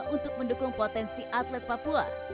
untuk mendukung potensi atlet papua